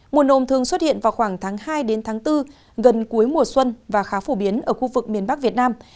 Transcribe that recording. mùa nồm thường xuất hiện vào khoảng tháng hai đến tháng bốn gần cuối mùa xuân và khá phổ biến ở khu vực miền bắc việt nam